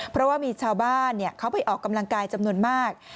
เพราะว่ามีชาวบ้านเขาไปออกกำลังกายจำนวนมาก